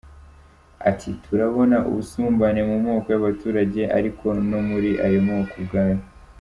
Ati “Turabona ubusumbane mu moko y’abaturage ariko no muri ayo moko ubwayo.